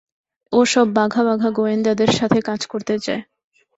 ও সব বাঘা বাঘা গোয়েন্দাদের সাথে কাজ করতে চায়।